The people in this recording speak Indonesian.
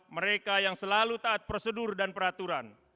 mereka yang selalu taat prosedur dan peraturan